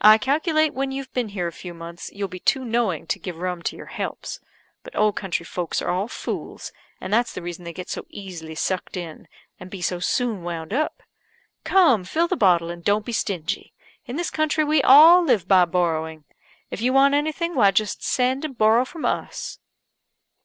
I calculate when you've been here a few months, you'll be too knowing to give rum to your helps. But old country folks are all fools, and that's the reason they get so easily sucked in, and be so soon wound up. Cum, fill the bottle, and don't be stingy. In this country we all live by borrowing. If you want anything, why just send and borrow from us."